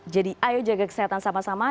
jadi ayo jaga kesehatan sama sama